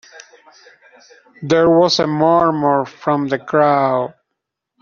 There was a murmur from the crowd.